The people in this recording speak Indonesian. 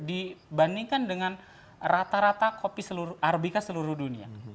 dibandingkan dengan rata rata kopi arabica seluruh dunia